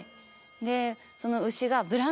でその牛が。